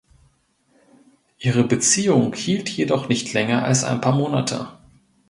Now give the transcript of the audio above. Ihre Beziehung hielt jedoch nicht länger als ein paar Monate.